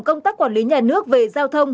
công tác quản lý nhà nước về giao thông